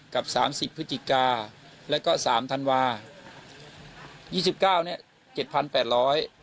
กับสามสิบพฤศจิกาแล้วก็สามธันวายี่สิบเก้าเนี้ยเจ็ดพันแปดร้อย